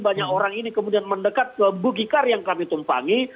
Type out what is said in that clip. banyak orang ini kemudian mendekat ke bugikar yang kami tumpangi